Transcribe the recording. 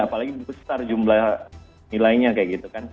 apalagi besar jumlah nilainya kayak gitu kan